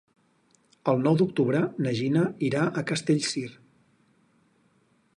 El nou d'octubre na Gina irà a Castellcir.